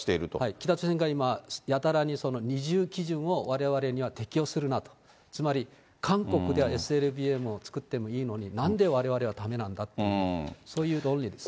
北朝鮮が今、やたらに二重基準をわれわれには適用するなと、つまり韓国ではＳＬＢＭを作っていいのに、なんで、われわれはだめなんだって、そういう倫理ですね。